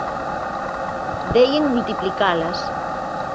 Dei en multiplicalas.